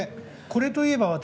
これといえば私！